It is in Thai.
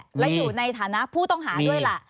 และอยู่ในฐานะผู้ต้องหาด้วยล่ะ